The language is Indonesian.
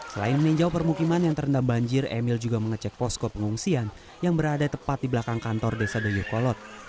selain meninjau permukiman yang terendam banjir emil juga mengecek posko pengungsian yang berada tepat di belakang kantor desa dayukolot